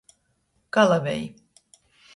Kalaveji.